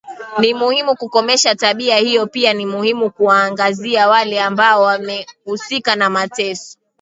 Ni muhimu kukomesha tabia hiyo pia ni muhimu kuwaangazia wale ambao wamehusika na mateso